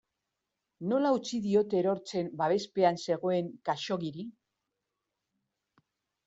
Nola utzi diote erortzen babespean zegoen Khaxoggiri?